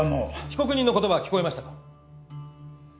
被告人の言葉は聞こえましたか？